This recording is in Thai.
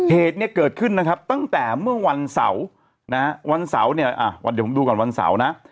เหตุเนี่ยเกิดขึ้นนะครับตั้งแต่เมื่อวันเสาร์นะฮะวันเสาร์เนี่ยวันเดี๋ยวผมดูก่อนวันเสาร์นะ